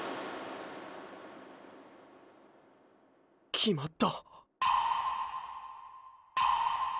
きまった。